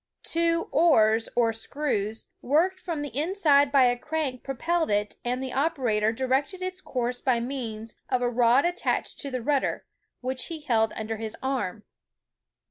Two " oars " or " screws " worked from the inside by a crank propelled it, and the operator 266 OTHER FAMOUS INVENTORS OF TO DAY directed its course by means of a rod attached to the rudder, which he held under his arm.